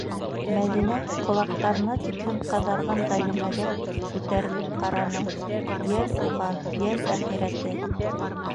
- Мәҙинә ҡолаҡтарына тиклем ҡыҙарған Ғәлимәгә күтәрелеп ҡараны: йәл уға, йәл әхирәте.